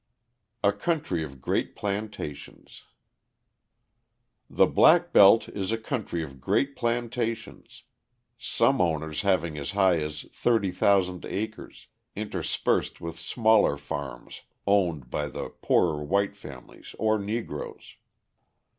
A Country of Great Plantations The black belt is a country of great plantations, some owners having as high as 30,000 acres, interspersed with smaller farms owned by the poorer white families or Negroes.